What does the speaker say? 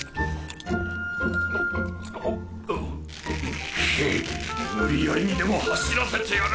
ぐっ無理やりにでも走らせてやる！